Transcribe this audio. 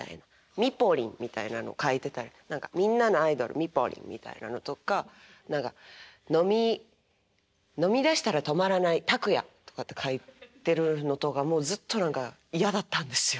「みぽりん」みたいの書いてたり「みんなのアイドルみぽりん」みたいなのとか何か「飲みだしたら止まらないタクヤ」とかって書いてるのとかもずっと何か嫌だったんですよ